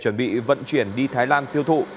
chuẩn bị vận chuyển đi thái lan tiêu thụ